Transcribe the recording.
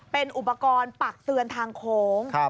เป็นอุปกรณ์ปักเตือนทางโค้ง